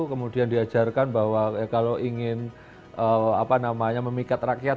kemudian diajarkan bahwa kalau ingin memikat rakyat